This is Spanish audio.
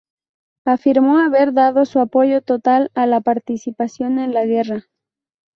Afirmó haber dado su apoyo total a la participación en la guerra.